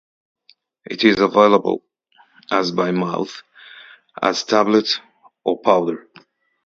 It is available as by mouth as a tablet or powder.